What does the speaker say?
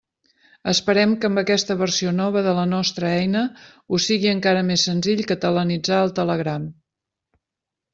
Esperem que amb aquesta versió nova de la nostra eina us sigui encara més senzill catalanitzar el Telegram.